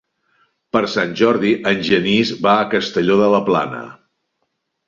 Per Sant Jordi en Genís va a Castelló de la Plana.